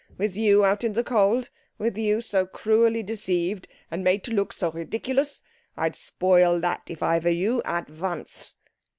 With you out in the cold? With you so cruelly deceived? And made to look so ridiculous? I'd spoil that if I were you, at once."